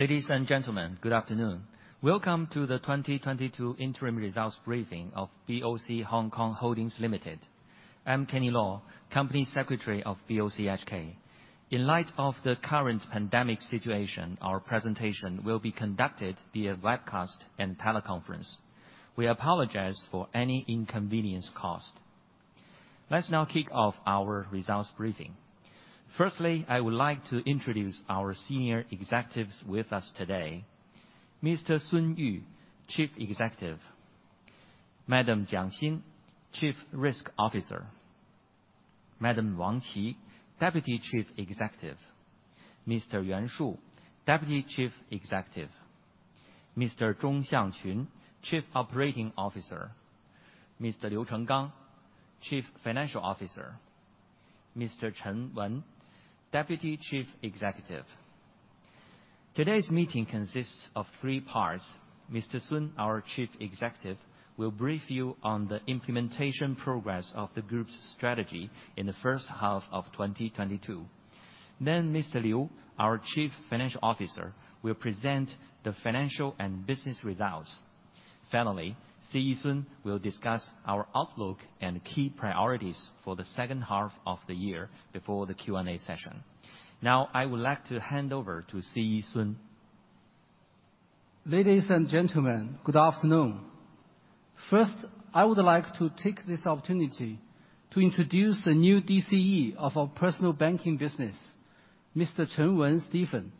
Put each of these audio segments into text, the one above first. Ladies and gentlemen, good afternoon. Welcome to the 2022 interim results briefing of BOC Hong Kong (Holdings) Limited. I'm Kenny Law, Company Secretary of BOC HK. In light of the current pandemic situation, our presentation will be conducted via webcast and teleconference. We apologize for any inconvenience caused. Let's now kick off our results briefing. Firstly, I would like to introduce our senior executives with us today. Mr. Sun Yu, Chief Executive. Madam Jiang Xin, Chief Risk Officer. Madam Wang Qi, Deputy Chief Executive. Mr. Yuan Shu, Deputy Chief Executive. Mr. Zhong Xiangqun, Chief Operating Officer. Mr. Liu Chenggang, Chief Financial Officer. Mr. Chen Wen, Deputy Chief Executive. Today's meeting consists of three parts. Mr. Sun, our Chief Executive, will brief you on the implementation progress of the group's strategy in the first half of 2022. Then Mr. Liu, our Chief Financial Officer, will present the financial and business results. Finally, Sun Yu will discuss our outlook and key priorities for the second half of the year before the Q&A session. Now, I would like to hand over to Sun Yu. Ladies and gentlemen, good afternoon. First, I would like to take this opportunity to introduce a new DCE of our personal banking business, Mr. Chen Wen Stephen.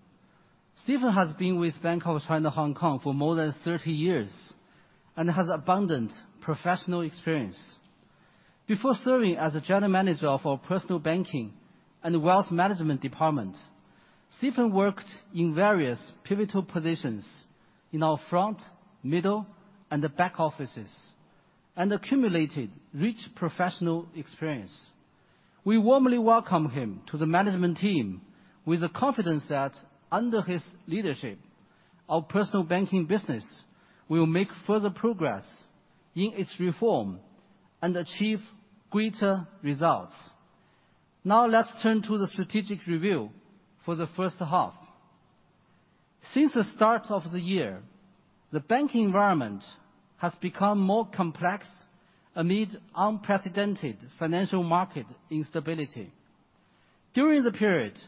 Stephen has been with Bank of China (Hong Kong) for more than 30 years and has abundant professional experience. Before serving as a general manager of our personal banking and wealth management department, Stephen worked in various pivotal positions in our front, middle, and the back offices and accumulated rich professional experience. We warmly welcome him to the management team with the confidence that under his leadership, our personal banking business will make further progress in its reform and achieve greater results. Now let's turn to the strategic review for the first half. Since the start of the year, the banking environment has become more complex amid unprecedented financial market instability. During the period,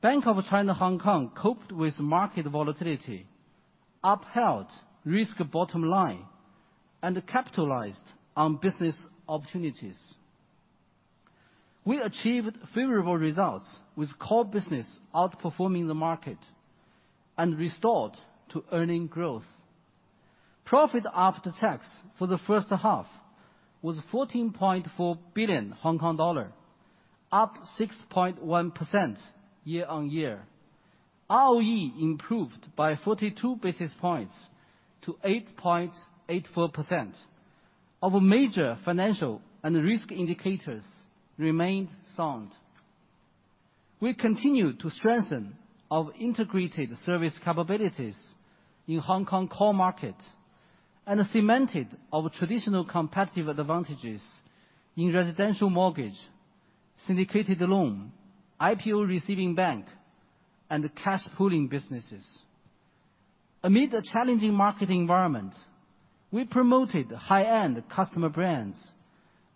Bank of China (Hong Kong) coped with market volatility, upheld risk bottom line, and capitalized on business opportunities. We achieved favorable results with core business outperforming the market and returned to earnings growth. Profit after tax for the first half was 14.4 billion Hong Kong dollar, up 6.1% year-on-year. ROE improved by 42 basis points to 8.84%. Our major financial and risk indicators remained sound. We continued to strengthen our integrated service capabilities in Hong Kong core market and cemented our traditional competitive advantages in residential mortgage, syndicated loan, IPO receiving bank, and the cash pooling businesses. Amid a challenging market environment, we promoted high-end customer brands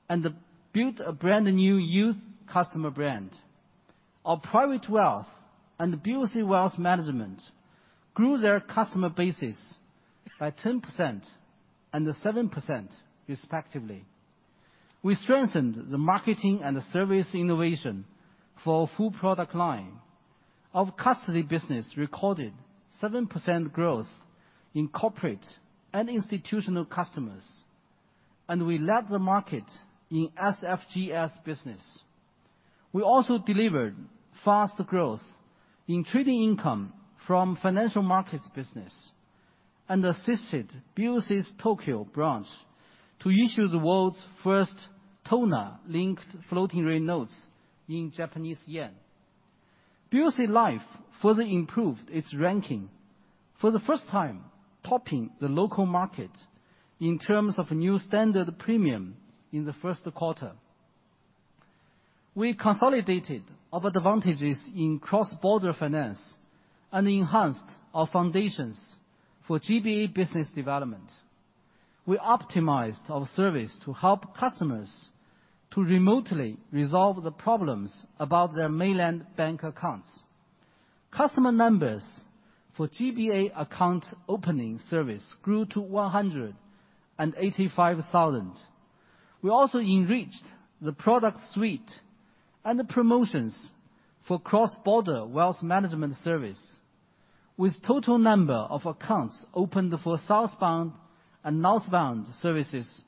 and built a brand new youth customer brand. Our Private Wealth and BOC Wealth Management grew their customer bases by 10% and 7% respectively. We strengthened the marketing and the service innovation for our full product line. Our custody business recorded 7% growth in corporate and institutional customers, and we led the market in SFGS business. We also delivered faster growth in trading income from financial markets business and assisted BOC's Tokyo branch to issue the world's first TONA-linked floating-rate notes in Japanese yen. BOC Life further improved its ranking, for the first time topping the local market in terms of new standard premium in the first quarter. We consolidated our advantages in cross-border finance and enhanced our foundations for GBA business development. We optimized our service to help customers to remotely resolve the problems about their mainland bank accounts. Customer numbers for GBA account opening service grew to 185,000. We also enriched the product suite and the promotions for cross-border wealth management service, with total number of accounts opened for southbound and northbound services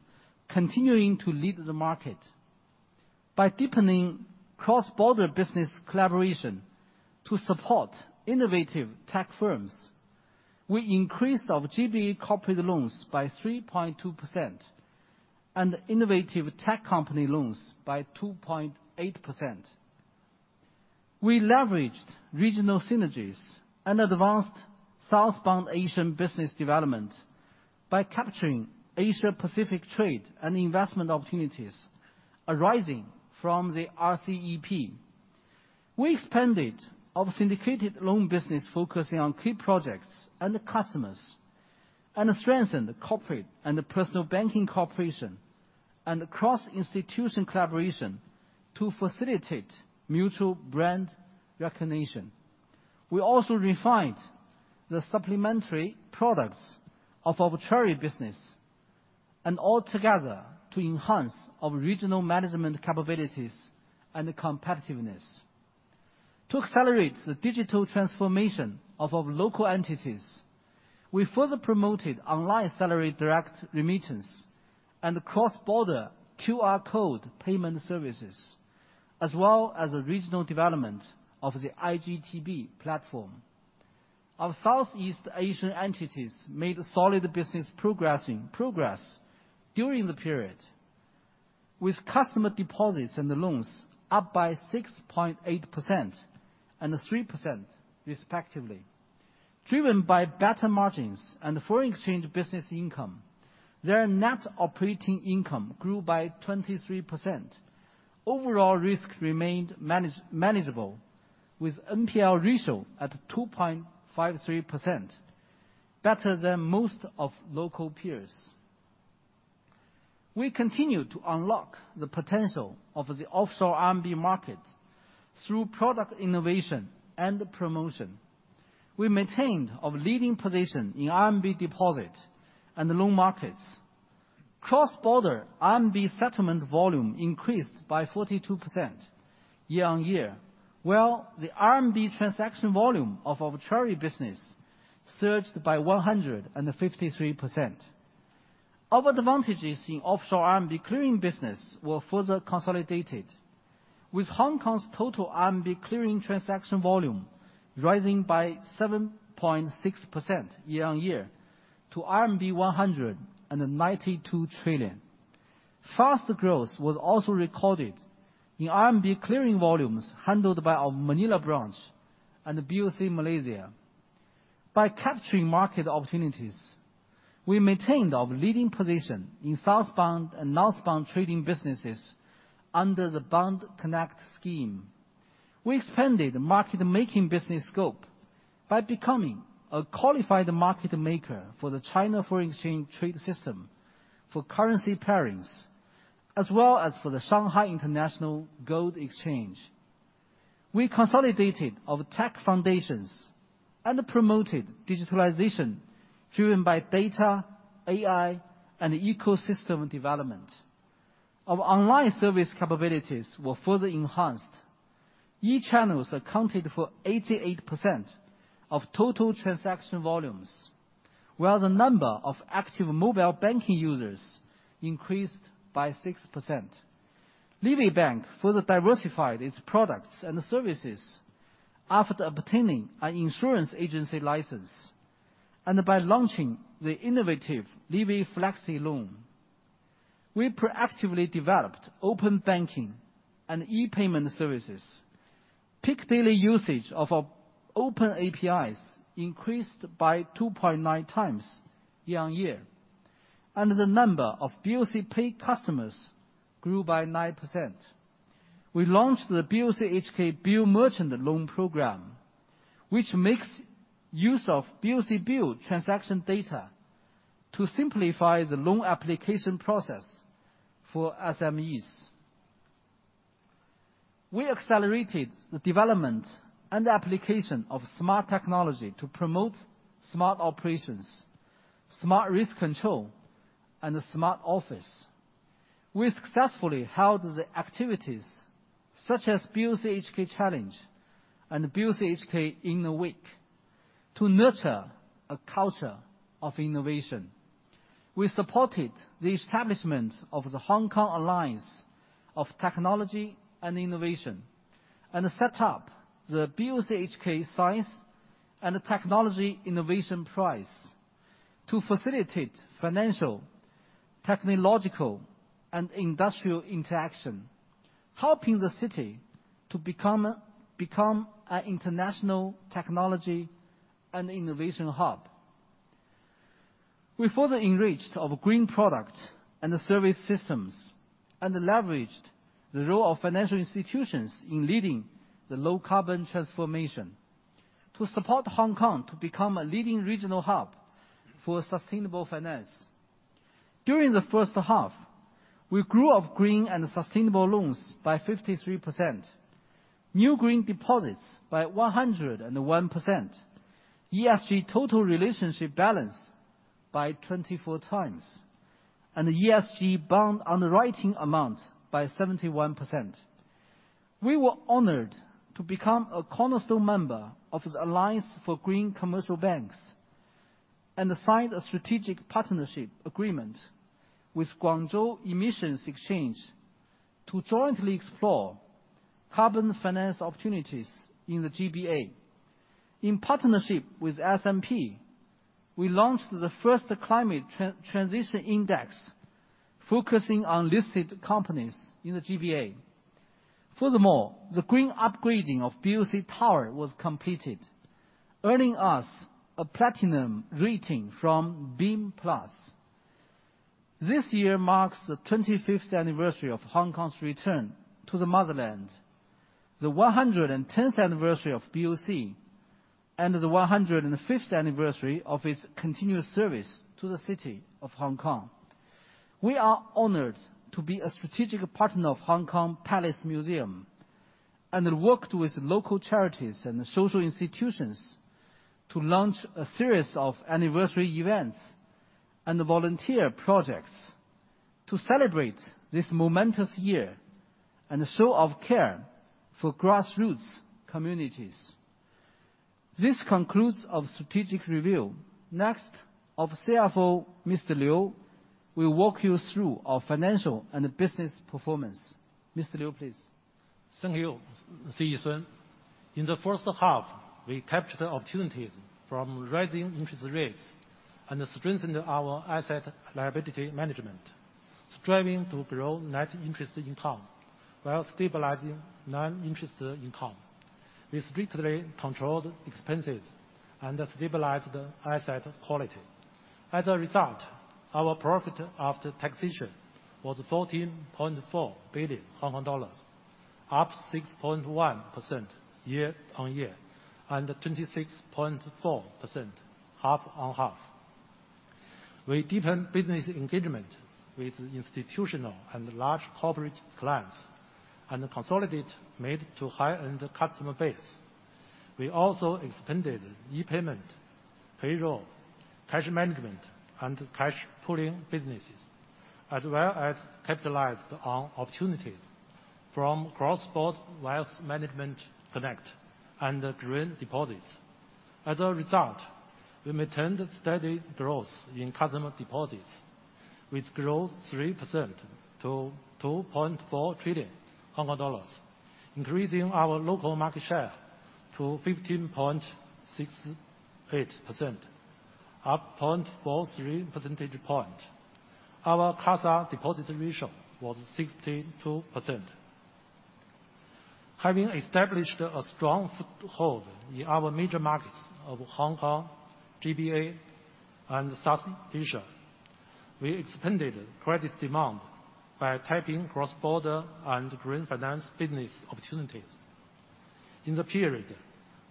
continuing to lead the market. By deepening cross-border business collaboration to support innovative tech firms, we increased our GBA corporate loans by 3.2% and innovative tech company loans by 2.8%. We leveraged regional synergies and advanced southbound Asian business development. By capturing Asia Pacific trade and investment opportunities arising from the RCEP. We expanded our syndicated loan business focusing on key projects and the customers, and strengthened the corporate and the personal banking cooperation, and cross-institution collaboration to facilitate mutual brand recognition. We also refined the supplementary products of our China business, and altogether to enhance our regional management capabilities and competitiveness. To accelerate the digital transformation of our local entities, we further promoted online salary direct remittance and cross-border QR code payment services, as well as the regional development of the iGTB platform. Our Southeast Asian entities made solid business progress during the period, with customer deposits and the loans up by 6.8% and 3% respectively. Driven by better margins and foreign exchange business income, their net operating income grew by 23%. Overall risk remained manageable with NPL ratio at 2.53%, better than most of local peers. We continue to unlock the potential of the offshore RMB market through product innovation and promotion. We maintained our leading position in RMB deposit and the loan markets. Cross-border RMB settlement volume increased by 42% year-over-year, while the RMB transaction volume of our treasury business surged by 153%. Our advantages in offshore RMB clearing business were further consolidated. Hong Kong's total RMB clearing transaction volume rising by 7.6% year-over-year to RMB 192 trillion. Fast growth was also recorded in RMB clearing volumes handled by our Manila branch and BOC Malaysia. By capturing market opportunities, we maintained our leading position in southbound and northbound trading businesses under the Bond Connect scheme. We expanded market making business scope by becoming a qualified market maker for the China Foreign Exchange Trade System for currency pairings, as well as for the Shanghai International Gold Exchange. We consolidated our tech foundations and promoted digitalization driven by data, AI, and ecosystem development. Our online service capabilities were further enhanced. E-channels accounted for 88% of total transaction volumes, while the number of active mobile banking users increased by 6%. livi bank further diversified its products and services after obtaining an insurance agency license and by launching the innovative livi Flexi Loan. We proactively developed open banking and e-payment services. Peak daily usage of our open APIs increased by 2.9x year-on-year, and the number of BOC Pay customers grew by 9%. We launched the BOCHK Bill Merchant Loan Program, which makes use of BOC Bill transaction data to simplify the loan application process for SMEs. We accelerated the development and application of smart technology to promote smart operations, smart risk control, and a smart office. We successfully held the activities such as BOCHK Challenge and BOCHK in a Week to nurture a culture of innovation. We supported the establishment of the Hong Kong Alliance of Technology and Innovation, and set up the BOCHK Science and Technology Innovation Prize to facilitate financial, technological, and industrial interaction, helping the city to become an international technology and innovation hub. We further enriched our green product and the service systems, and leveraged the role of financial institutions in leading the low carbon transformation to support Hong Kong to become a leading regional hub for sustainable finance. During the first half, we grew our green and sustainable loans by 53%, new green deposits by 101%, ESG total relationship balance by 24x, and ESG bond underwriting amount by 71%. We were honored to become a cornerstone member of the Alliance for Green Commercial Banks, and signed a strategic partnership agreement with Guangzhou Emissions Exchange to jointly explore carbon finance opportunities in the GBA. In partnership with S&P, we launched the first climate transition index focusing on listed companies in the GBA. Furthermore, the green upgrading of BOC Tower was completed, earning us a platinum rating from BEAM Plus. This year marks the 25th anniversary of Hong Kong's return to the motherland, the 110th anniversary of BOC, and the 105th anniversary of its continuous service to the city of Hong Kong. We are honored to be a strategic partner of Hong Kong Palace Museum, and have worked with local charities and social institutions to launch a series of anniversary events and volunteer projects to celebrate this momentous year and show of care for grassroots communities. This concludes our strategic review. Next, our CFO, Mr. Liu, will walk you through our financial and business performance. Mr. Liu, please. Thank you, Sun Yu. In the first half, we captured opportunities from rising interest rates and strengthened our asset liability management, striving to grow net interest income while stabilizing non-interest income. We strictly controlled expenses and stabilized asset quality. As a result, our profit after taxation was 14.4 billion Hong Kong dollars, up 6.1% year-on-year, and 26.4% half-on-half. We deepened business engagement with institutional and large corporate clients, and consolidate mid- to high-end customer base. We also expanded e-Payment, payroll, cash management, and cash pooling businesses, as well as capitalized on opportunities from Cross-boundary Wealth Management Connect and green deposits. As a result, we maintained steady growth in customer deposits, which grows 3% to 2.4 trillion Hong Kong dollars, increasing our local market share to 15.68%, up 0.43 percentage point. Our CASA deposit ratio was 62%. Having established a strong foothold in our major markets of Hong Kong, GBA, and South Asia, we expanded credit demand by tapping cross-border and green finance business opportunities. In the period,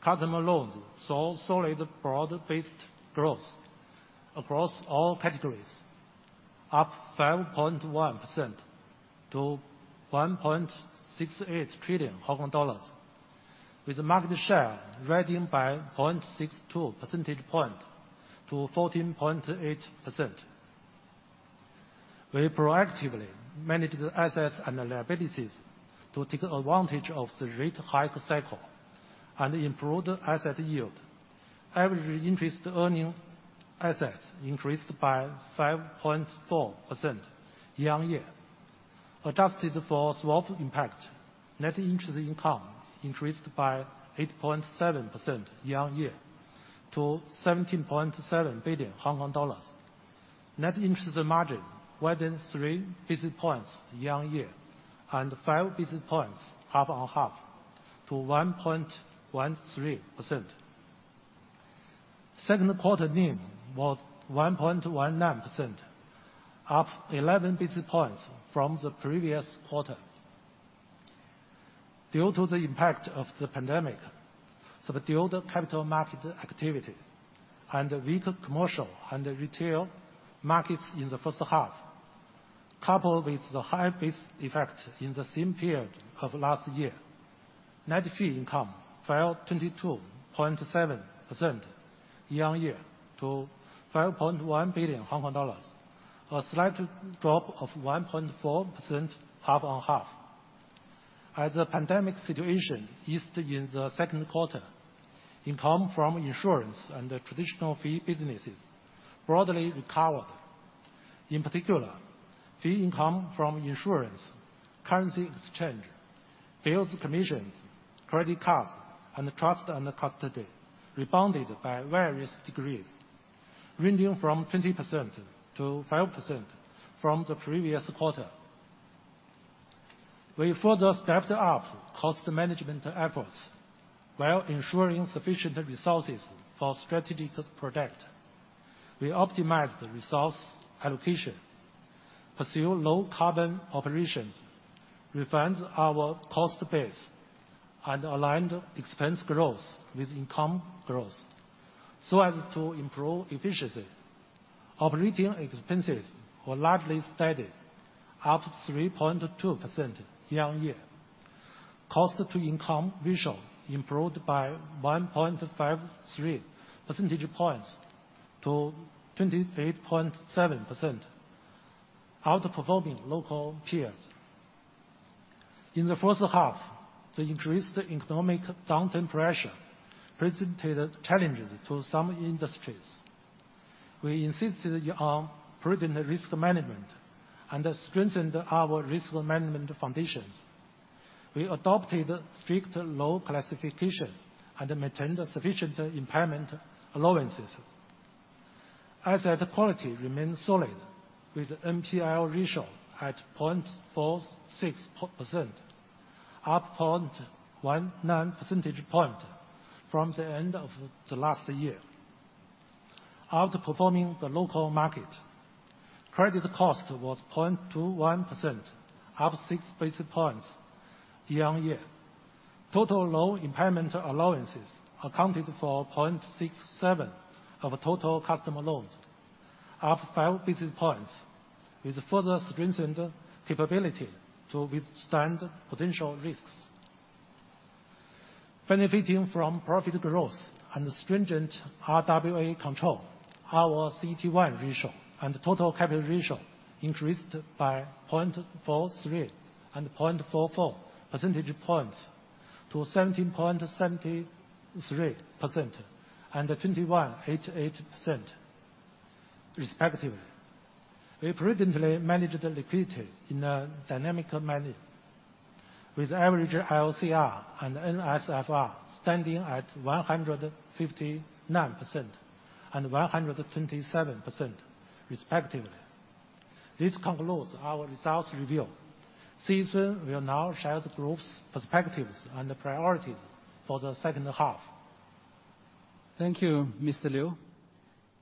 customer loans saw solid broad-based growth across all categories, up 5.1% to 1.68 trillion Hong Kong dollars, with market share rising by 0.62 percentage point to 14.8%. We proactively managed the assets and liabilities to take advantage of the rate hike cycle and improved asset yield. Average interest earning assets increased by 5.4% year-on-year. Adjusted for swap impact, net interest income increased by 8.7% year-on-year to HKD 17.7 billion. Net interest margin widened three basis points year-on-year and five basis points half-on-half to 1.13%. Second quarter NIM was 1.19%, up 11 basis points from the previous quarter. Due to the impact of the pandemic, subdued capital market activity, and weak commercial and retail markets in the first half, coupled with the high base effect in the same period of last year, net fee income fell 22.7% year-on-year to 5.1 billion Hong Kong dollars. A slight drop of 1.4% half-on-half. As the pandemic situation eased in the second quarter, income from insurance and traditional fee businesses broadly recovered. In particular, fee income from insurance, currency exchange, bills commissions, credit cards, and trust and custody rebounded by various degrees ranging from 20%-5% from the previous quarter. We further stepped up cost management efforts while ensuring sufficient resources for strategic product. We optimized the resource allocation, pursue low carbon operations, refined our cost base, and aligned expense growth with income growth so as to improve efficiency. Operating expenses were largely steady, up 3.2% year-on-year. Cost to income ratio improved by 1.53 percentage points to 28.7%, outperforming local peers. In the first half, the increased economic downturn pressure presented challenges to some industries. We insisted on prudent risk management and strengthened our risk management foundations. We adopted strict loan classification and maintained sufficient impairment allowances. Asset quality remains solid, with NPL ratio at 0.46%, up 0.19 percentage point from the end of the last year. Outperforming the local market, credit cost was 0.21%, up six basis points year-on-year. Total loan impairment allowances accounted for 0.67 of total customer loans, up five basis points with further strengthened capability to withstand potential risks. Benefiting from profit growth and stringent RWA control, our CET1 ratio and total capital ratio increased by 0.43 and 0.44 percentage points to 17.73% and 21.88% respectively. We prudently managed the liquidity in a dynamic manner with average LCR and NSFR standing at 159% and 127% respectively. This concludes our results review. Sun Yu will now share the group's perspectives and priorities for the second half. Thank you, Mr. Liu.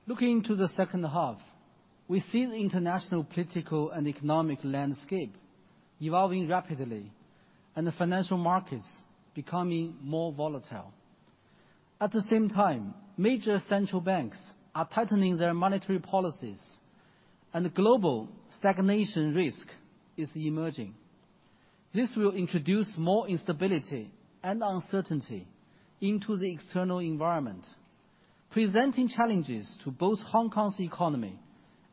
Looking to the second half, we see the international political and economic landscape evolving rapidly, and the financial markets becoming more volatile. At the same time, major central banks are tightening their monetary policies, and global stagnation risk is emerging. This will introduce more instability and uncertainty into the external environment, presenting challenges to both Hong Kong's economy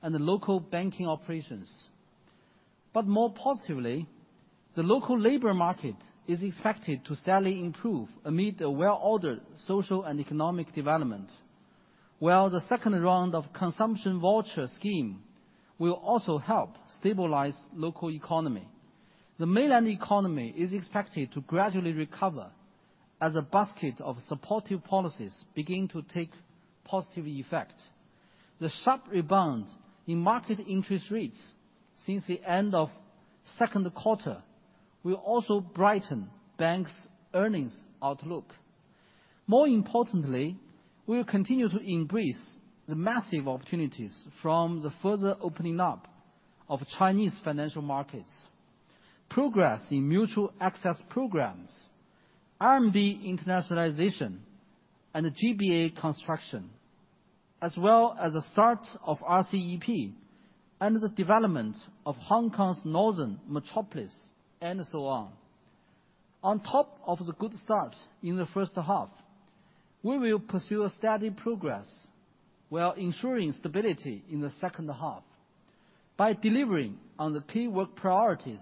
and the local banking operations. More positively, the local labor market is expected to steadily improve amid a well-ordered social and economic development, while the second round of consumption voucher scheme will also help stabilize local economy. The mainland economy is expected to gradually recover as a basket of supportive policies begin to take positive effect. The sharp rebound in market interest rates since the end of second quarter will also brighten banks' earnings outlook. More importantly, we will continue to embrace the massive opportunities from the further opening up of Chinese financial markets, progress in mutual access programs, RMB internationalization, and the GBA construction, as well as the start of RCEP and the development of Hong Kong's Northern Metropolis and so on. On top of the good start in the first half, we will pursue a steady progress while ensuring stability in the second half. By delivering on the key work priorities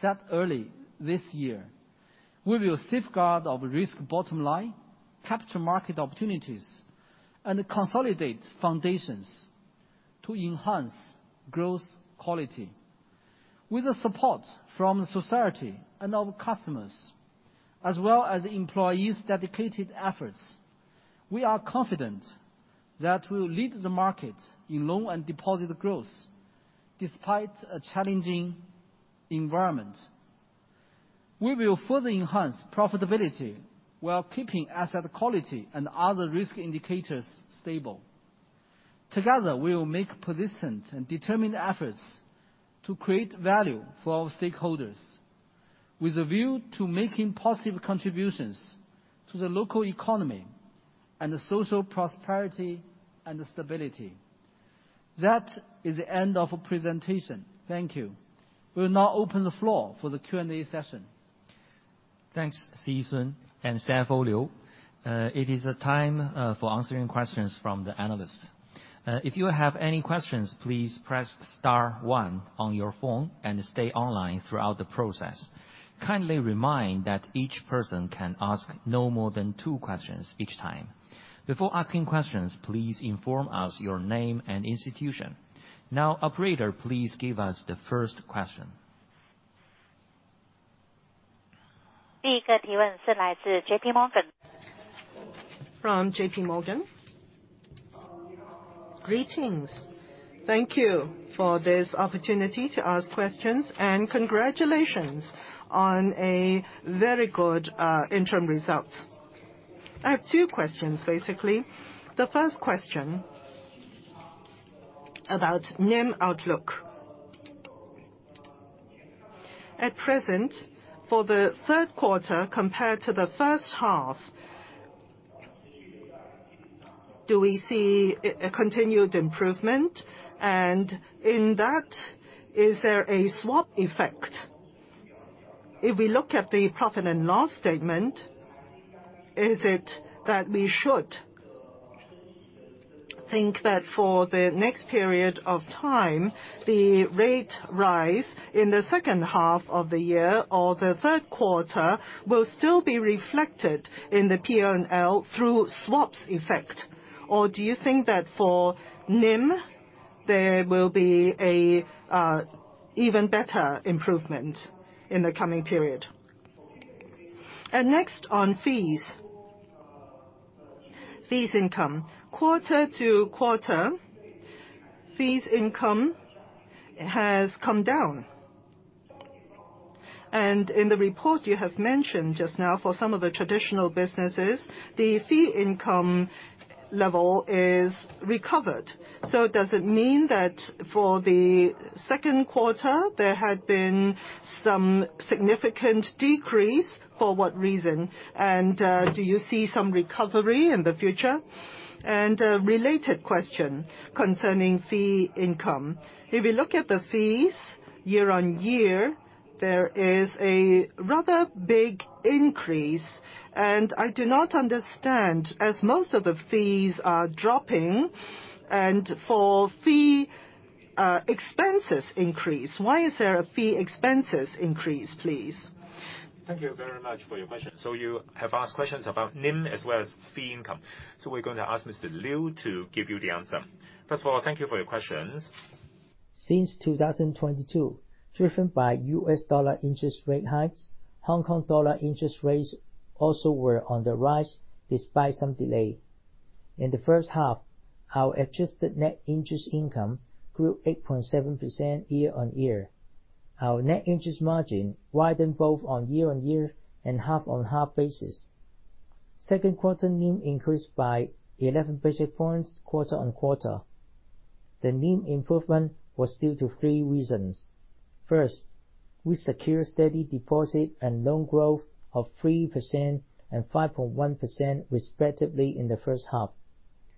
set early this year, we will safeguard our risk bottom line, capture market opportunities, and consolidate foundations to enhance growth quality. With the support from society and our customers, as well as employees' dedicated efforts, we are confident that we will lead the market in loan and deposit growth despite a challenging environment. We will further enhance profitability while keeping asset quality and other risk indicators stable. Together, we will make persistent and determined efforts to create value for our stakeholders with a view to making positive contributions to the local economy and the social prosperity and stability. That is the end of presentation. Thank you. We'll now open the floor for the Q&A session. Thanks, CE Sun and CFO Liu. It is the time for answering questions from the analysts. If you have any questions, please press star one on your phone and stay online throughout the process. Kindly remind that each person can ask no more than two questions each time. Before asking questions, please inform us your name and institution. Now, operator, please give us the first question. JPMorgan. From JPMorgan. Greetings. Thank you for this opportunity to ask questions, and congratulations on a very good interim results. I have two questions, basically. The first question about NIM outlook. At present, for the third quarter compared to the first half, do we see a continued improvement? And in that, is there a swap effect? If we look at the profit and loss statement, is it that we should think that for the next period of time, the rate rise in the second half of the year or the third quarter will still be reflected in the P&L through swaps effect? Or do you think that for NIM, there will be a even better improvement in the coming period? Next on fees. Fees income. Quarter-to-quarter, fees income has come down. In the report you have mentioned just now for some of the traditional businesses, the fee income level is recovered. Does it mean that for the second quarter, there had been some significant decrease? For what reason? Do you see some recovery in the future? A related question concerning fee income. If you look at the fees year-on-year, there is a rather big increase, and I do not understand, as most of the fees are dropping and for fee expenses increase, why is there a fee expenses increase, please? Thank you very much for your question. You have asked questions about NIM as well as fee income. We're gonna ask Mr. Liu to give you the answer. First of all, thank you for your questions. Since 2022, driven by U.S. dollar interest rate hikes, Hong Kong dollar interest rates also were on the rise despite some delay. In the first half, our adjusted net interest income grew 8.7% year-on-year. Our net interest margin widened both on year-on-year and half-on-half basis. Second quarter NIM increased by 11 basis points quarter-on-quarter. The NIM improvement was due to three reasons. First, we secured steady deposit and loan growth of 3% and 5.1% respectively in the first half,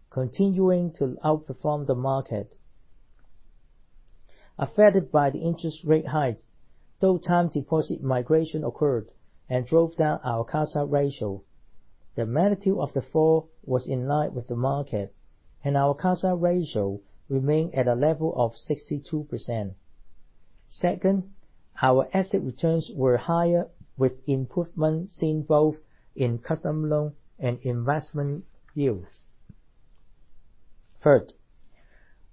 continuing to outperform the market. Affected by the interest rate hikes, though time deposit migration occurred and drove down our CASA ratio, the magnitude of the fall was in line with the market and our CASA ratio remained at a level of 62%. Second, our asset returns were higher with improvement seen both in custom loan and investment yields. Third,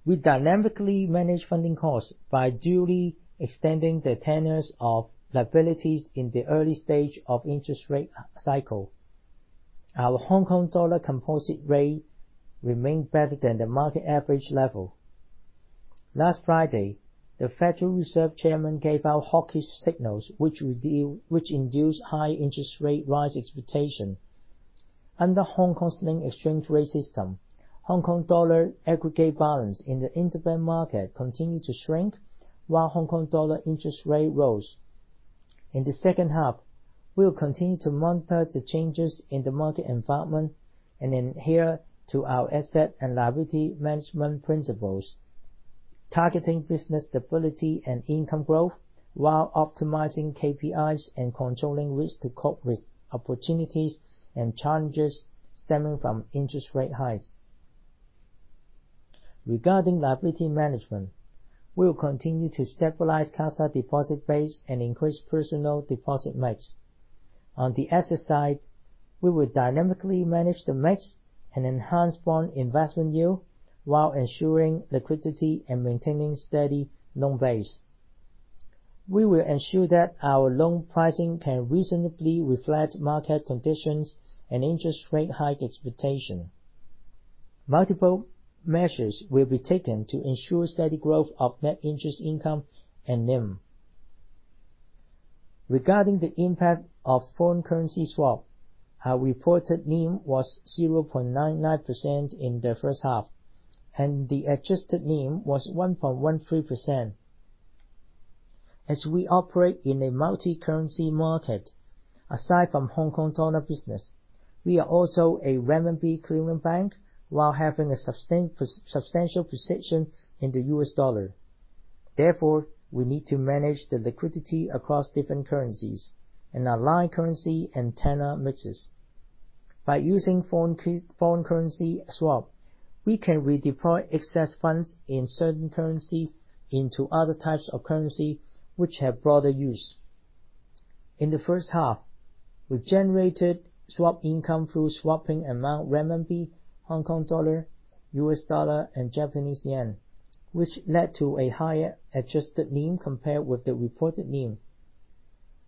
we dynamically managed funding costs by duly extending the tenors of liabilities in the early stage of interest rate cycle. Our Hong Kong dollar composite rate remained better than the market average level. Last Friday, the Federal Reserve chairman gave out hawkish signals which induced high interest rate rise expectation. Under Hong Kong's linked exchange rate system, Hong Kong dollar aggregate balance in the interbank market continued to shrink while Hong Kong dollar interest rate rose. In the second half, we will continue to monitor the changes in the market environment and adhere to our asset and liability management principles, targeting business stability and income growth while optimizing KPIs and controlling risk to cope with opportunities and challenges stemming from interest rate hikes. Regarding liability management, we will continue to stabilize CASA deposit base and increase personal deposit mix. On the asset side, we will dynamically manage the mix and enhance bond investment yield while ensuring liquidity and maintaining steady loan base. We will ensure that our loan pricing can reasonably reflect market conditions and interest rate hike expectation. Multiple measures will be taken to ensure steady growth of net interest income and NIM. Regarding the impact of foreign currency swap, our reported NIM was 0.99% in the first half, and the adjusted NIM was 1.13%. As we operate in a multi-currency market, aside from Hong Kong dollar business, we are also a renminbi clearing bank while having a substantial position in the U.S. Dollar. Therefore, we need to manage the liquidity across different currencies and align currency and tenor mixes. By using foreign currency swap, we can redeploy excess funds in certain currency into other types of currency which have broader use. In the first half, we generated swap income through swapping among renminbi, Hong Kong dollar, U.S. dollar, and Japanese yen, which led to a higher adjusted NIM compared with the reported NIM.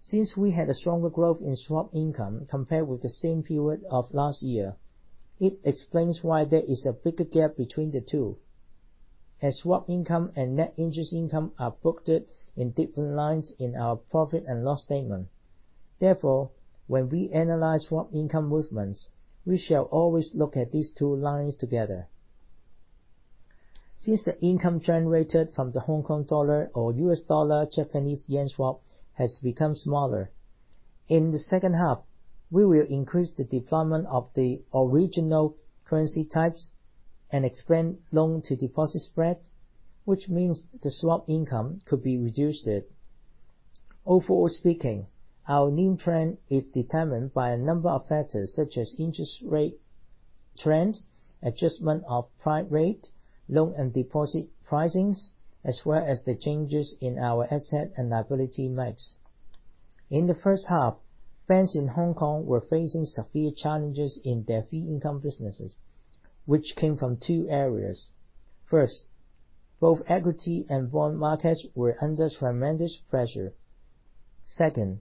Since we had a stronger growth in swap income compared with the same period of last year, it explains why there is a bigger gap between the two, as swap income and net interest income are booked in different lines in our profit and loss statement. Therefore, when we analyze swap income movements, we shall always look at these two lines together. Since the income generated from the Hong Kong dollar or U.S. dollar-Japanese yen swap has become smaller, in the second half, we will increase the deployment of the original currency types and expand loan-to-deposit spread, which means the swap income could be reduced. Overall speaking, our NIM trend is determined by a number of factors such as interest rate trends, adjustment of prime rate, loan and deposit pricings, as well as the changes in our asset and liability mix. In the first half, banks in Hong Kong were facing severe challenges in their fee income businesses, which came from two areas. First, both equity and bond markets were under tremendous pressure. Second,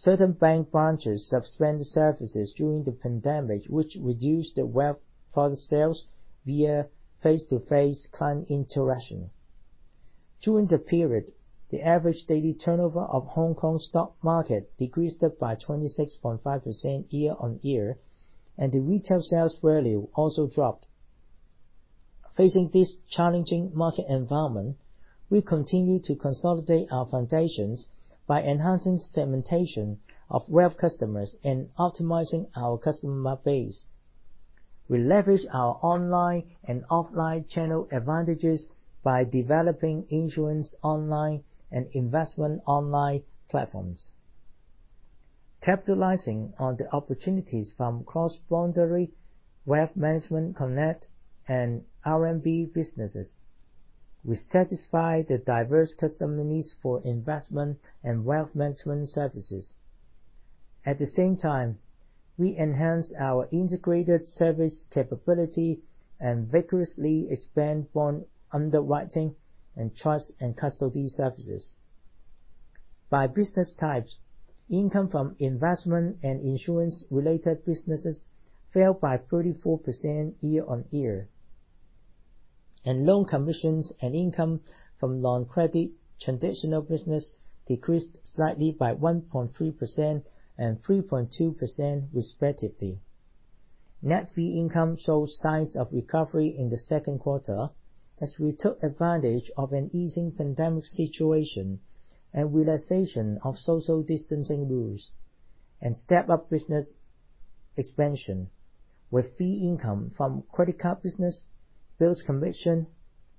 certain bank branches suspend services during the pandemic, which reduced the wealth product sales via face-to-face client interaction. During the period, the average daily turnover of Hong Kong stock market decreased by 26.5% year-on-year, and the retail sales value also dropped. Facing this challenging market environment, we continue to consolidate our foundations by enhancing segmentation of wealth customers and optimizing our customer base. We leverage our online and offline channel advantages by developing insurance online and investment online platforms. Capitalizing on the opportunities from Cross-boundary Wealth Management Connect and RMB businesses, we satisfy the diverse customer needs for investment and wealth management services. At the same time, we enhance our integrated service capability and vigorously expand bond underwriting and trust and custody services. By business types, income from investment and insurance-related businesses fell by 34% year-on-year. Loan commissions and income from non-credit traditional business decreased slightly by 1.3% and 3.2% respectively. Net fee income showed signs of recovery in the second quarter as we took advantage of an easing pandemic situation and relaxation of social distancing rules, and stepped up business expansion, with fee income from credit card business, bills commission,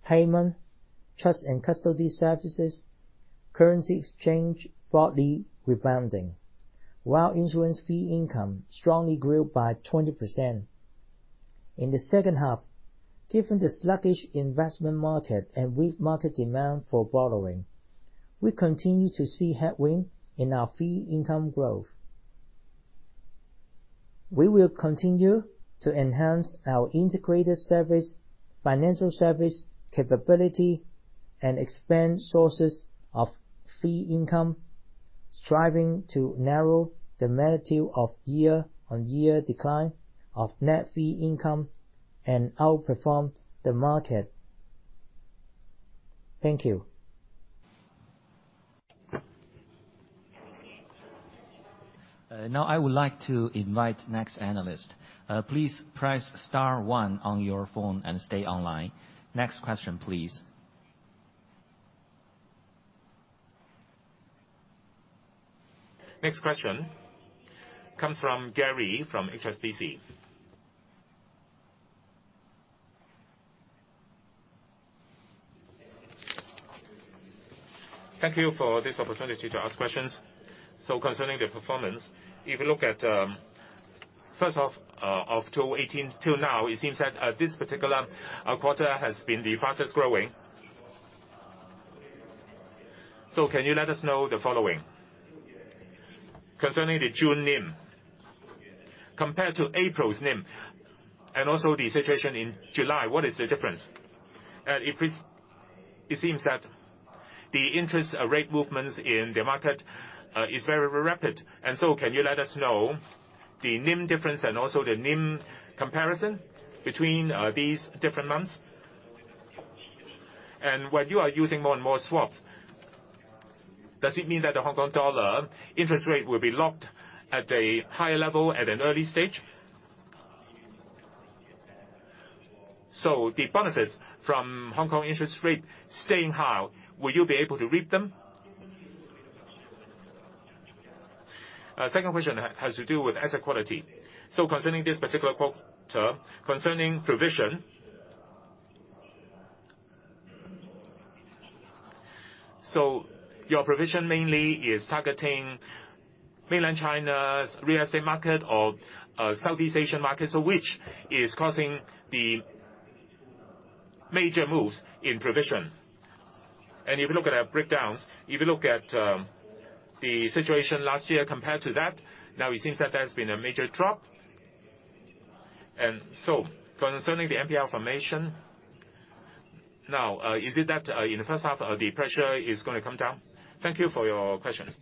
payment, trust and custody services, currency exchange broadly rebounding, while insurance fee income strongly grew by 20%. In the second half, given the sluggish investment market and weak market demand for borrowing, we continue to see headwind in our fee income growth. We will continue to enhance our integrated service, financial service capability, and expand sources of fee income, striving to narrow the magnitude of year-on-year decline of net fee income and outperform the market. Thank you. Now I would like to invite next analyst. Please press star one on your phone and stay online. Next question please. Next question comes from Gary from HSBC. Thank you for this opportunity to ask questions. Concerning the performance, if you look at first half of 2018 till now, it seems that this particular quarter has been the fastest growing. Can you let us know the following? Concerning the June NIM, compared to April's NIM, and also the situation in July, what is the difference? It seems that the interest rate movements in the market is very rapid. Can you let us know the NIM difference and also the NIM comparison between these different months? And when you are using more and more swaps, does it mean that the Hong Kong dollar interest rate will be locked at a higher level at an early stage? The bonuses from Hong Kong interest rate staying high, will you be able to reap them? Second question has to do with asset quality. Concerning this particular quarter, concerning provision. Your provision mainly is targeting Mainland China's real estate market or Southeast Asian markets. Which is causing the major moves in provision? If you look at our breakdowns, if you look at the situation last year compared to that, now it seems that there's been a major drop. Concerning the NPL formation, now is it that in the first half the pressure is gonna come down? Thank you for your questions.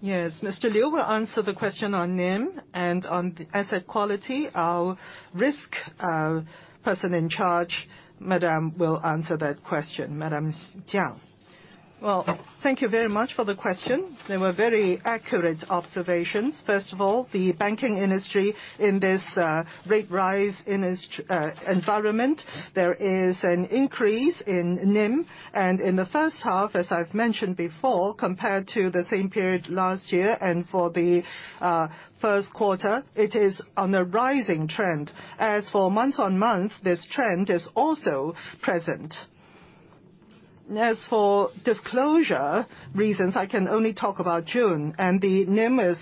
Yes, Mr. Liu will answer the question on NIM and on the asset quality. Our risk person in charge, Madam, will answer that question. Madam Jiang. Well, thank you very much for the question. They were very accurate observations. First of all, the banking industry in this rate rise environment, there is an increase in NIM. In the first half, as I've mentioned before, compared to the same period last year and for the first quarter, it is on a rising trend. As for month-on-month, this trend is also present. As for disclosure reasons, I can only talk about June and the NIM is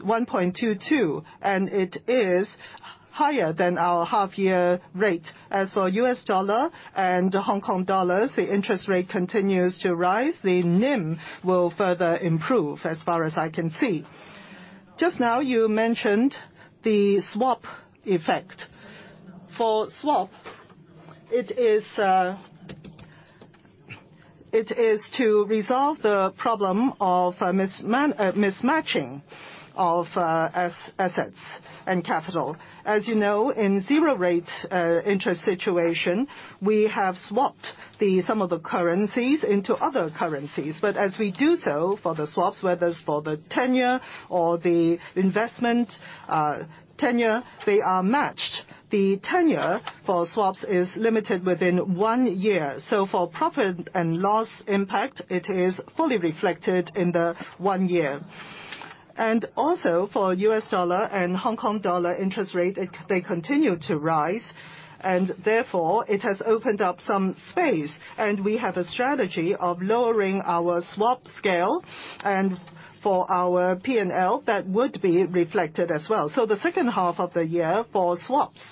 1.22%, and it is higher than our half year rate. As for U.S. dollar and Hong Kong dollars, the interest rate continues to rise, the NIM will further improve as far as I can see. Just now you mentioned the swap effect. For swap, it is to resolve the problem of mismatching of assets and capital. As you know, in zero interest rate situation, we have swapped some of the currencies into other currencies. As we do so for the swaps, whether it's for the tenure or the investment tenure, they are matched. The tenure for swaps is limited within one year. For profit and loss impact, it is fully reflected in the one year. Also for U.S. dollar and Hong Kong dollar interest rates, they continue to rise, and therefore, it has opened up some space. We have a strategy of lowering our swap scale and for our P&L, that would be reflected as well. The second half of the year for swaps,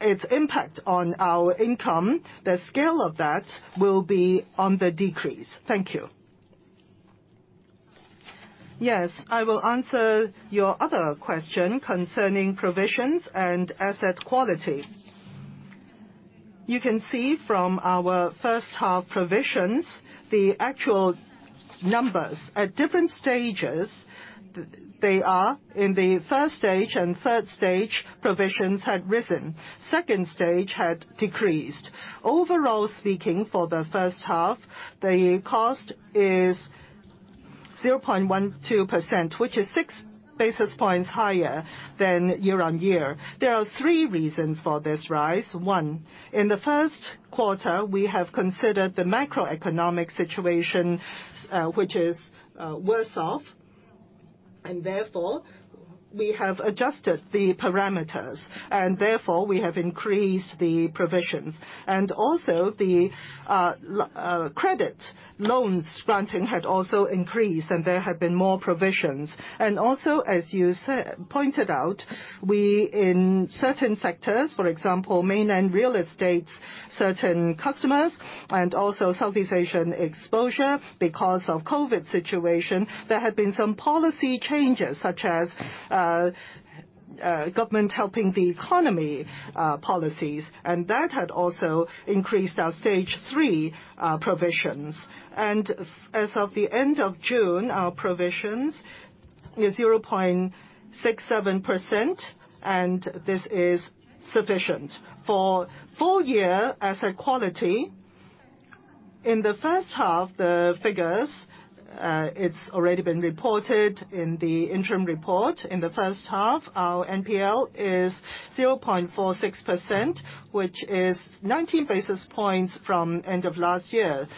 its impact on our income, the scale of that will be on the decrease. Thank you. Yes, I will answer your other question concerning provisions and asset quality. You can see from our first half provisions, the actual numbers at different stages, they are in the first stage and third stage, provisions had risen. Second stage had decreased. Overall speaking, for the first half, the cost is 0.12%, which is six basis points higher than year-on-year. There are three reasons for this rise. One, in the first quarter, we have considered the macroeconomic situation, which is worse off, and therefore, we have adjusted the parameters, and therefore, we have increased the provisions. Also the loan and credit granting had also increased, and there have been more provisions. Also, as you pointed out, we in certain sectors, for example, mainland real estates, certain customers and also Southeast Asian exposure because of COVID situation, there have been some policy changes, such as, government helping the economy, policies, and that had also increased our stage three, provisions. As of the end of June, our provisions is 0.67%, and this is sufficient. For full year asset quality, in the first half, the figures, it's already been reported in the interim report. In the first half, our NPL is 0.46%, which is 19 basis points from end of last year.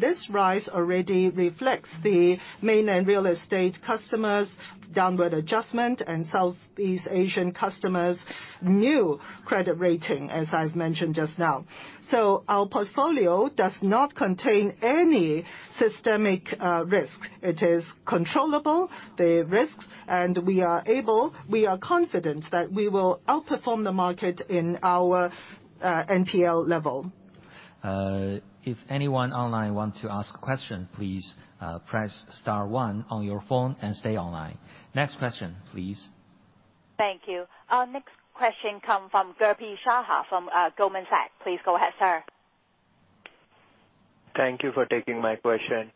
This rise already reflects the mainland real estate customers' downward adjustment and Southeast Asian customers' new credit rating, as I've mentioned just now. Our portfolio does not contain any systemic risk. It is controllable, the risks. We are confident that we will outperform the market in our NPL level. If anyone online want to ask a question, please, press star one on your phone and stay online. Next question, please. Thank you. Our next question come from Gurpreet Sahi from Goldman Sachs. Please go ahead, sir. Thank you for taking my question.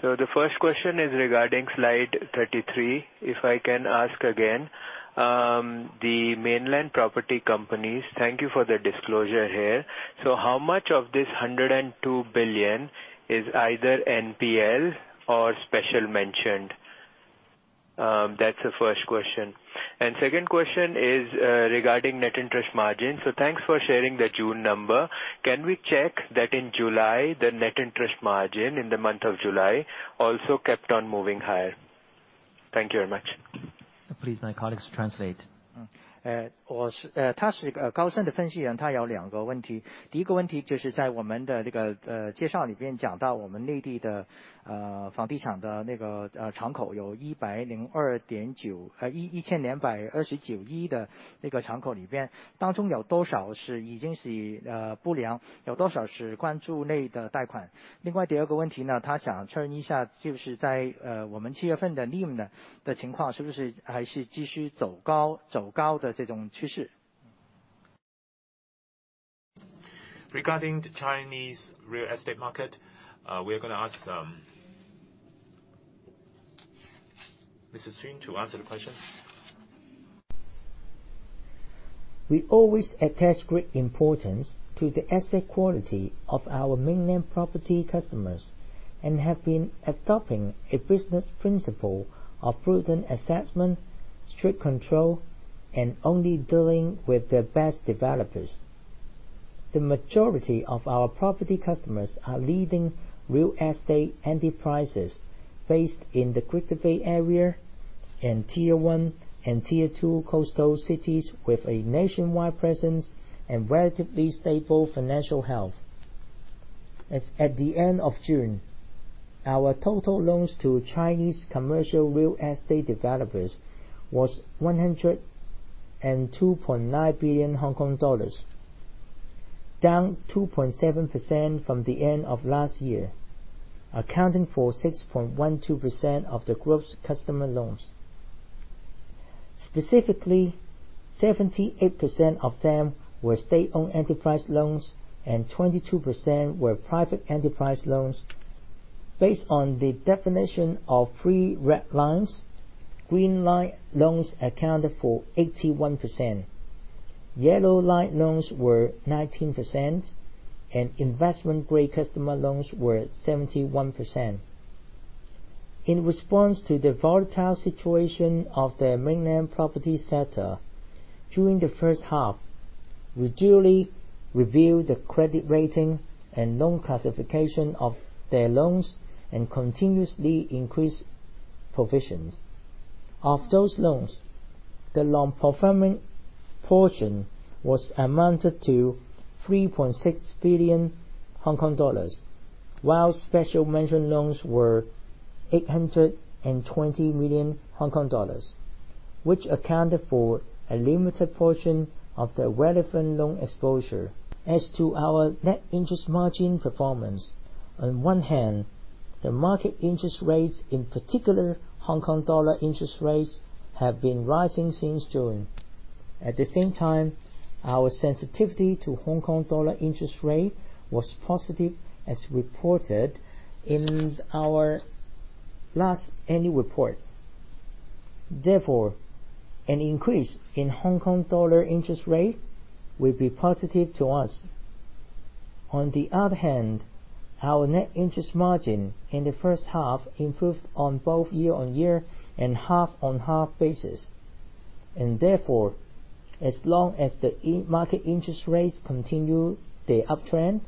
The first question is regarding slide 33. If I can ask again, the mainland property companies, thank you for the disclosure here. How much of this 102 billion is either NPL or special mentioned? That's the first question. Second question is regarding net interest margin. Thanks for sharing the June number. Can we check that in July, the net interest margin in the month of July also kept on moving higher? Thank you very much. Please, my colleagues translate. Regarding the Chinese real estate market, we are gonna ask Mr. Chenggang to answer the question. We always attach great importance to the asset quality of our mainland property customers and have been adopting a business principle of prudent assessment, strict control, and only dealing with the best developers. The majority of our property customers are leading real estate enterprises based in the Greater Bay Area and Tier One and Tier Two coastal cities with a nationwide presence and relatively stable financial health. As at the end of June, our total loans to Chinese commercial real estate developers was HKD 102.9 billion. Down 2.7% from the end of last year, accounting for 6.12% of the group's customer loans. Specifically, 78% of them were state-owned enterprise loans, and 22% were private enterprise loans. Based on the definition of Three Red Lines, green line loans accounted for 81%. Yellow light loans were 19%, and investment-grade customer loans were 71%. In response to the volatile situation of the mainland property sector, during the first half, we duly reviewed the credit rating and loan classification of their loans and continuously increased provisions. Of those loans, the non-performing portion was amounted to 3.6 billion Hong Kong dollars, while special mention loans were 820 million Hong Kong dollars, which accounted for a limited portion of the relevant loan exposure. As to our net interest margin performance, on one hand, the market interest rates, in particular Hong Kong dollar interest rates, have been rising since June. At the same time, our sensitivity to Hong Kong dollar interest rate was positive, as reported in our last annual report. Therefore, an increase in Hong Kong dollar interest rate will be positive to us. On the other hand, our net interest margin in the first half improved on both year-on-year and half-on-half basis. Therefore, as long as the market interest rates continue their uptrend,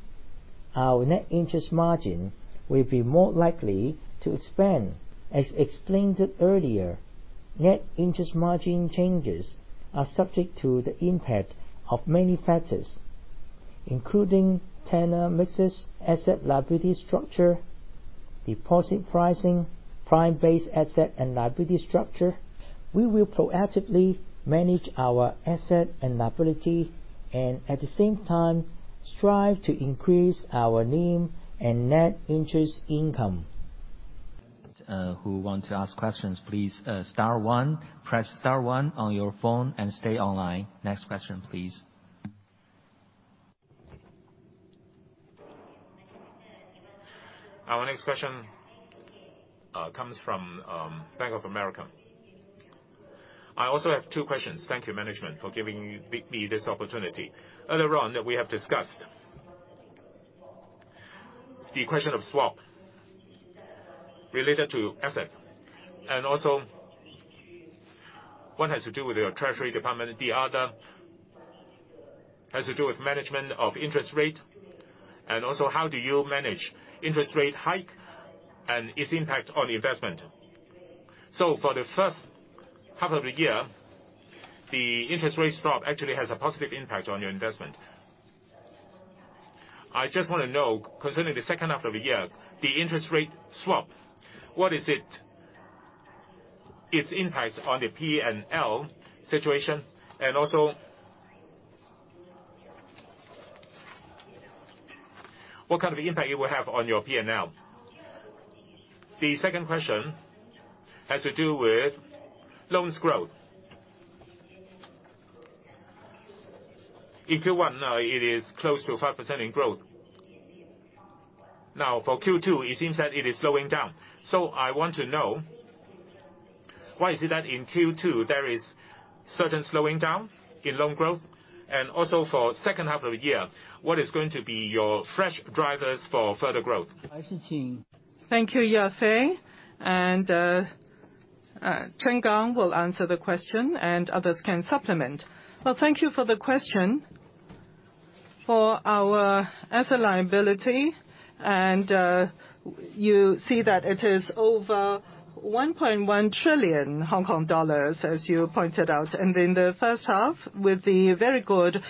our net interest margin will be more likely to expand. As explained earlier, net interest margin changes are subject to the impact of many factors, including tenor mixes, asset-liability structure, deposit pricing, prime-based asset and liability structure. We will proactively manage our asset and liability and at the same time strive to increase our NIM and net interest income. Who want to ask questions, please, star one. Press star one on your phone and stay online. Next question, please. Our next question comes from Bank of America. I also have two questions. Thank you management for giving me this opportunity. Earlier on, we have discussed the question of swap related to assets and also what has to do with your treasury department, the other has to do with management of interest rate, and also how do you manage interest rate hike and its impact on investment. For the first half of the year, the interest rate swap actually has a positive impact on your investment. I just wanna know, considering the second half of the year, the interest rate swap, what is it, its impact on the P&L situation? And also, what kind of impact it will have on your P&L? The second question has to do with loans growth. In Q1 now it is close to 5% in growth. Now for Q2, it seems that it is slowing down. I want to know why is it that in Q2 there is certain slowing down in loan growth? Also for second half of the year, what is going to be your fresh drivers for further growth? Thank you, Yafei. Liu Chenggang will answer the question, and others can supplement. Well, thank you for the question. For our assets and liabilities, you see that it is over 1.1 trillion Hong Kong dollars, as you pointed out. In the first half, with the very good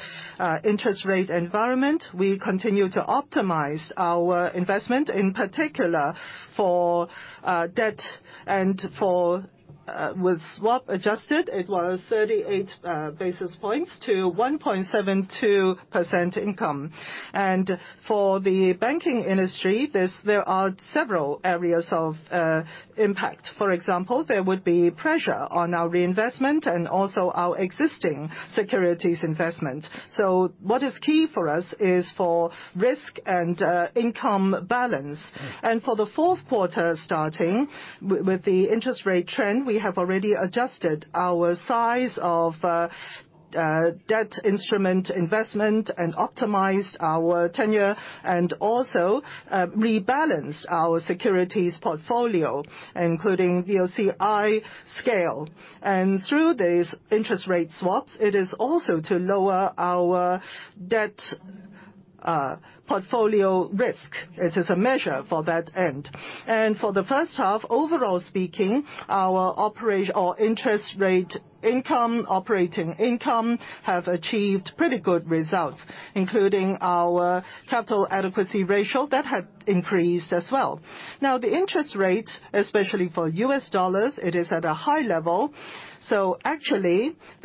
interest rate environment, we continue to optimize our investment, in particular for debt and, with swap adjusted, it was 38 basis points to 1.72% income. For the banking industry, there are several areas of impact. For example, there would be pressure on our reinvestment and also our existing securities investment. What is key for us is for risk and income balance. For the fourth quarter starting with the interest rate trend, we have already adjusted our size of debt instrument investment and optimized our tenor and also rebalanced our securities portfolio, including FVOCI scale. Through these interest rate swaps, it is also to lower our debt portfolio risk. It is a measure for that end. For the first half, overall speaking, our interest rate income, operating income have achieved pretty good results, including our capital adequacy ratio, that had increased as well. Now, the interest rate, especially for U.S. dollars, it is at a high level.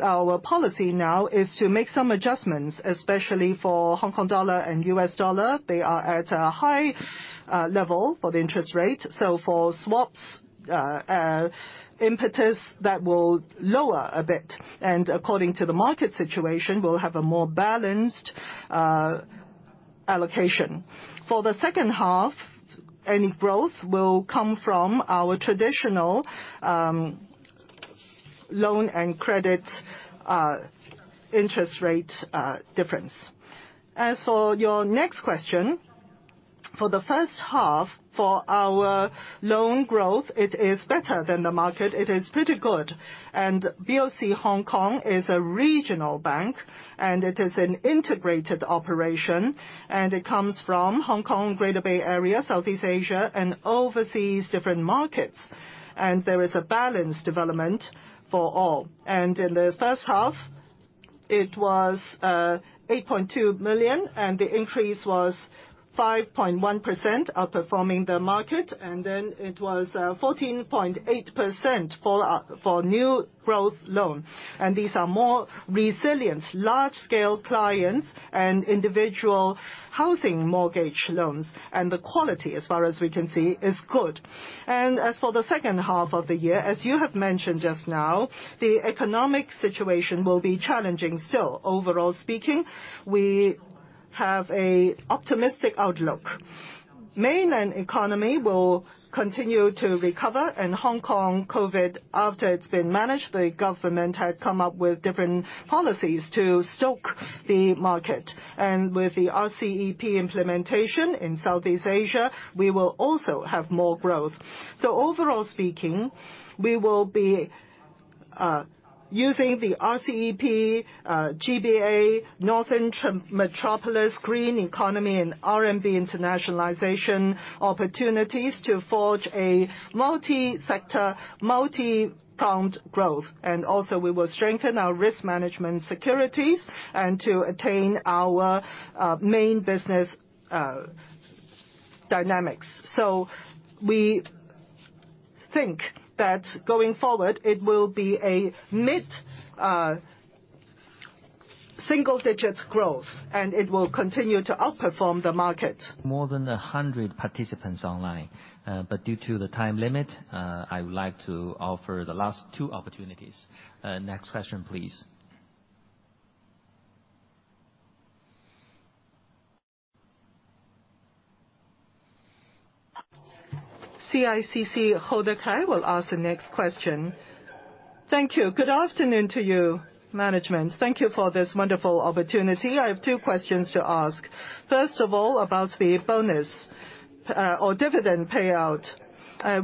Our policy now is to make some adjustments, especially for Hong Kong dollar and U.S. dollar. They are at a high level for the interest rate. For swaps, emphasis that will lower a bit, and according to the market situation, we'll have a more balanced allocation. For the second half, any growth will come from our traditional loan and credit interest rate difference. As for your next question, for the first half, for our loan growth, it is better than the market. It is pretty good. BOC Hong Kong is a regional bank and it is an integrated operation, and it comes from Hong Kong, Greater Bay Area, Southeast Asia and overseas different markets. There is a balanced development for all. In the first half, it was 8.2 million, and the increase was 5.1% outperforming the market, and then it was 14.8% for new growth loan. These are more resilient large-scale clients and individual housing mortgage loans, and the quality, as far as we can see, is good. As for the second half of the year, as you have mentioned just now, the economic situation will be challenging still. Overall speaking, we have a optimistic outlook. Mainland economy will continue to recover in Hong Kong. COVID, after it's been managed, the government had come up with different policies to stoke the market. With the RCEP implementation in Southeast Asia, we will also have more growth. Overall speaking, we will be using the RCEP, GBA, Northern Metropolis, green economy and RMB internationalization opportunities to forge a multi-sector, multi-pronged growth. We will strengthen our risk management securities and to attain our main business dynamics. We think that going forward, it will be a mid single digits growth, and it will continue to outperform the market. More than 100 participants online. Due to the time limit, I would like to offer the last two opportunities. Next question please. CICC, Hoda Kai will ask the next question. Thank you. Good afternoon to you, management. Thank you for this wonderful opportunity. I have two questions to ask. First of all, about the bonus or dividend payout.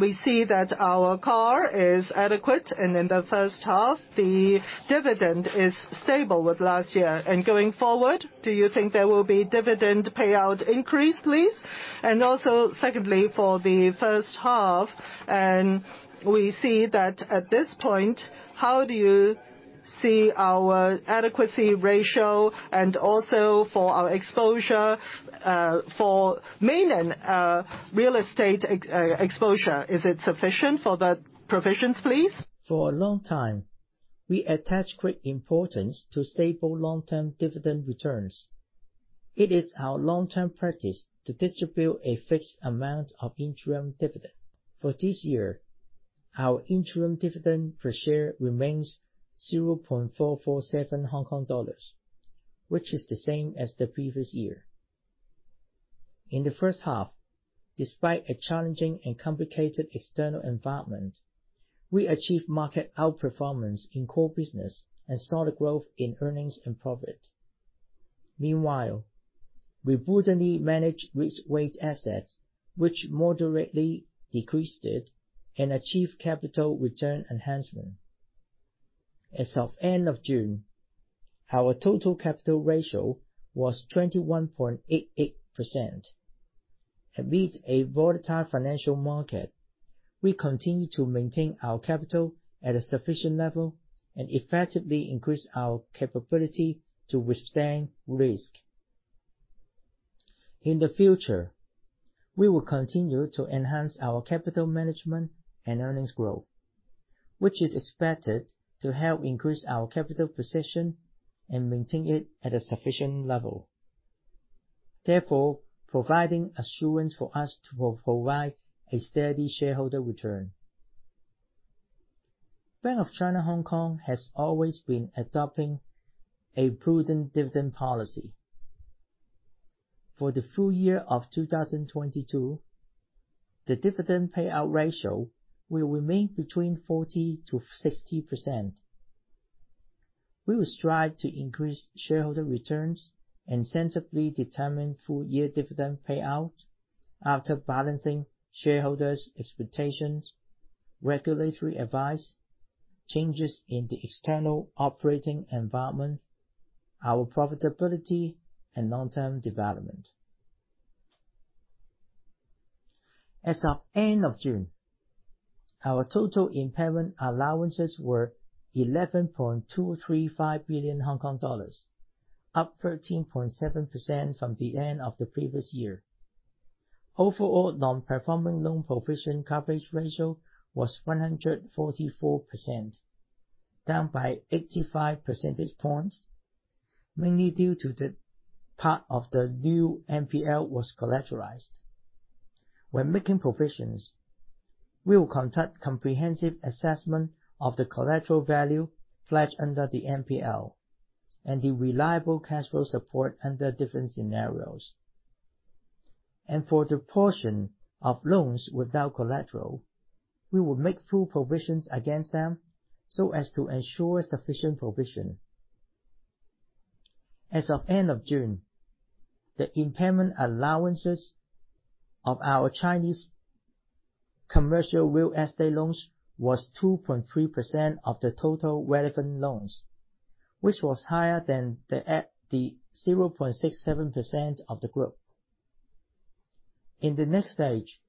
We see that our CAR is adequate, and in the first half, the dividend is stable with last year. Going forward, do you think there will be dividend payout increase, please? Also, secondly, for the first half, we see that at this point, how do you see our adequacy ratio and also for our exposure for mainland real estate exposure, is it sufficient for the provisions, please? For a long time, we attach great importance to stable long-term dividend returns. It is our long-term practice to distribute a fixed amount of interim dividend. For this year, our interim dividend per share remains 0.447 Hong Kong dollars, which is the same as the previous year. In the first half, despite a challenging and complicated external environment, we achieved market outperformance in core business and saw the growth in earnings and profit. Meanwhile, we prudently managed risk-weighted assets, which moderately decreased it and achieved capital return enhancement. As of end of June, our total capital ratio was 21.88%. Amidst a volatile financial market, we continue to maintain our capital at a sufficient level and effectively increase our capability to withstand risk. In the future, we will continue to enhance our capital management and earnings growth, which is expected to help increase our capital position and maintain it at a sufficient level, therefore providing assurance for us to provide a steady shareholder return. Bank of China (Hong Kong) has always been adopting a prudent dividend policy. For the full year of 2022, the dividend payout ratio will remain between 40%-60%. We will strive to increase shareholder returns and sensibly determine full year dividend payout after balancing shareholders' expectations, regulatory advice, changes in the external operating environment, our profitability and long-term development. As of end of June, our total impairment allowances were 11.235 billion Hong Kong dollars, up 13.7% from the end of the previous year. Overall non-performing loan provision coverage ratio was 144%, down by 85 percentage points, mainly due to the part of the new NPL was collateralized. When making provisions, we will conduct comprehensive assessment of the collateral value pledged under the NPL and the reliable cash flow support under different scenarios. For the portion of loans without collateral, we will make full provisions against them so as to ensure sufficient provision. As of end of June, the impairment allowances of our Chinese commercial real estate loans was 2.3% of the total relevant loans, which was higher than the 0.67% of the group. In the next stage,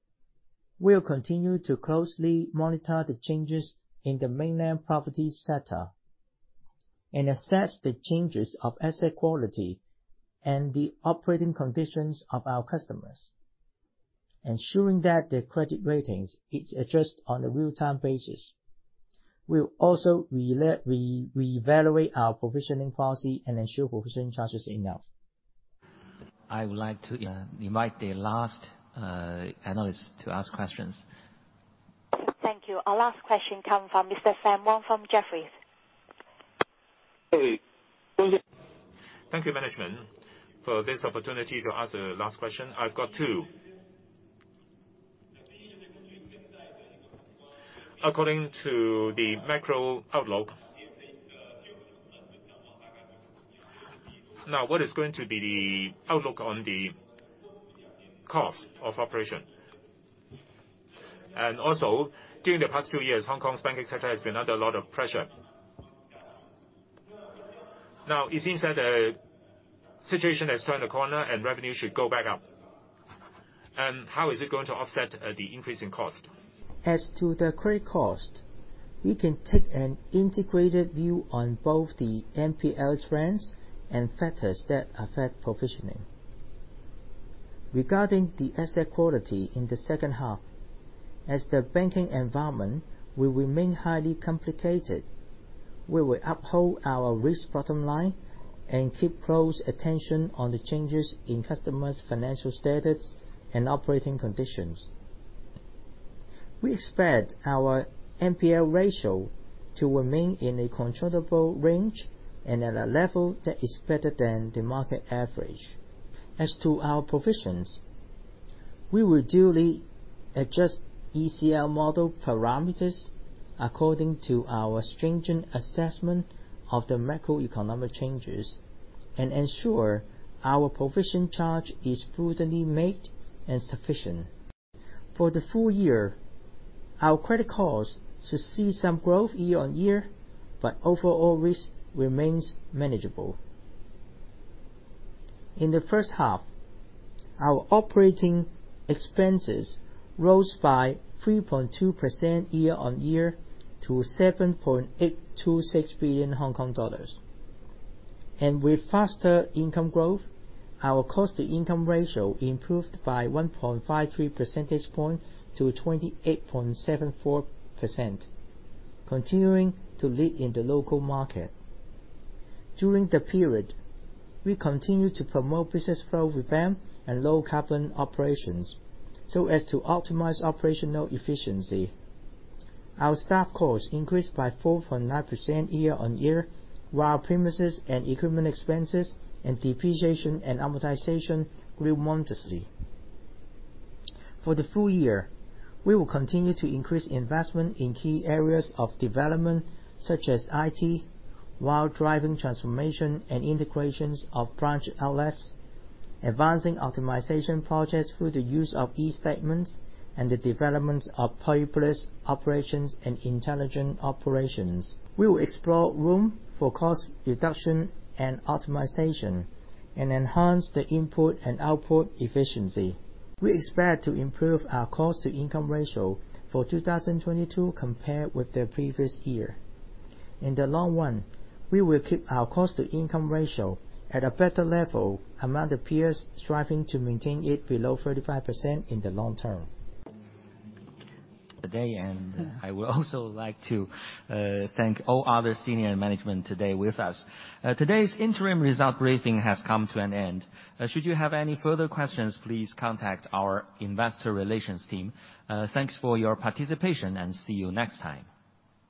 we'll continue to closely monitor the changes in the mainland property sector and assess the changes of asset quality and the operating conditions of our customers, ensuring that the credit ratings is adjusted on a real-time basis. We'll also re-evaluate our provisioning policy and ensure provisioning charge is enough. I would like to invite the last analyst to ask questions. Thank you. Our last question comes from Mr. Sam Wong from Jefferies. Hey. Thank you, management, for this opportunity to ask the last question. I've got two. According to the macro outlook, now what is going to be the outlook on the cost of operation? Also, during the past two years, Hong Kong's banking sector has been under a lot of pressure. Now it seems that the situation has turned a corner and revenue should go back up. How is it going to offset the increase in cost? As to the credit cost, we can take an integrated view on both the NPL trends and factors that affect provisioning. Regarding the asset quality in the second half, as the banking environment will remain highly complicated, we will uphold our risk bottom line and keep close attention on the changes in customers' financial status and operating conditions. We expect our NPL ratio to remain in a controllable range and at a level that is better than the market average. As to our provisions, we will duly adjust ECL model parameters according to our stringent assessment of the macroeconomic changes and ensure our provision charge is prudently made and sufficient. For the full year, our credit cost should see some growth year on year, but overall risk remains manageable. In the first half, our operating expenses rose by 3.2% year-on-year to 7.826 billion Hong Kong dollars. With faster income growth, our cost to income ratio improved by 1.53 percentage points to 28.74%, continuing to lead in the local market. During the period, we continued to promote business flow revamp and low carbon operations, so as to optimize operational efficiency. Our staff costs increased by 4.9% year-on-year, while premises and equipment expenses and depreciation and amortization grew modestly. For the full year, we will continue to increase investment in key areas of development such as IT, while driving transformation and integrations of branch outlets, advancing optimization projects through the use of e-Statement and the development of paperless operations and intelligent operations. We will explore room for cost reduction and optimization and enhance the input and output efficiency. We expect to improve our cost to income ratio for 2022 compared with the previous year. In the long run, we will keep our cost to income ratio at a better level among the peers striving to maintain it below 35% in the long term. Today I would also like to thank all other senior management today with us. Today's interim result briefing has come to an end. Should you have any further questions, please contact our investor relations team. Thanks for your participation and see you next time.